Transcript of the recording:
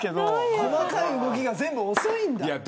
細かい動きが全部遅いんだ。